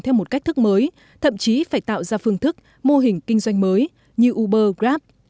theo một cách thức mới thậm chí phải tạo ra phương thức mô hình kinh doanh mới như uber grab